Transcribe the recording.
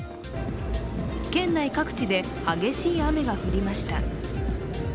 県内各地で激しい雨が降りました。